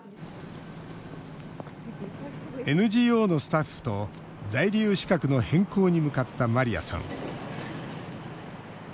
ＮＧＯのスタッフと在留資格の変更に向かったマリアさん。